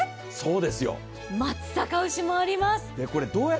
松阪牛もあります。